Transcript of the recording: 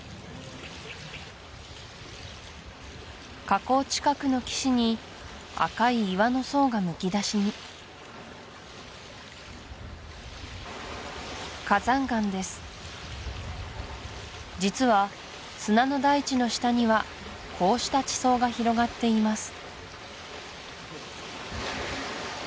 河口近くの岸に赤い岩の層がむき出しに実は砂の大地の下にはこうした地層が広がっています